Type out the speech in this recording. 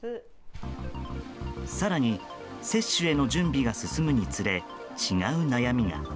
更に、接種への準備が進むにつれ違う悩みが。